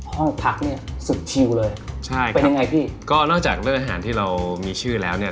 ห้องพักเนี้ยสุดชิวเลยใช่เป็นยังไงพี่ก็นอกจากเรื่องอาหารที่เรามีชื่อแล้วเนี่ย